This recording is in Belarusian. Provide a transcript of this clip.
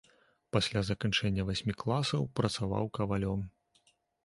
Пасля заканчэння васьмі класаў працаваў кавалём.